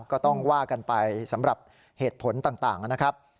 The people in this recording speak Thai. ก็ต้องว่ากันไปสำหรับเหตุผลต่างนะครับ